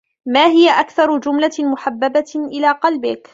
ما هي أكثر جملة محببة إلى قلبك ؟